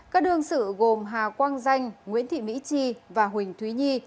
các đương sự gồm hà quang danh nguyễn thị mỹ chi và huỳnh thúy nhi